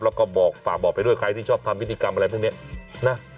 แล้วก็บอกฝากบอกไปด้วยใครที่ชอบทำพิธีกรรมอะไรพวกนี้นะ